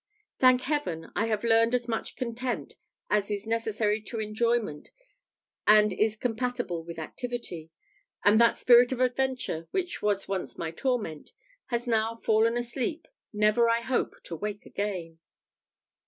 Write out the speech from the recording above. Thank Heaven, I have learned as much content as is necessary to enjoyment and is compatible with activity; and that spirit of adventure, which was once my torment, has now fallen asleep, never I hope to wake again.